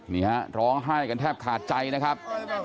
นี่ฮะร้องไห้กันแทบขาดใจนะครับ